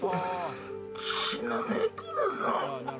死なねえからな。